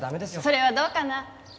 それはどうかな。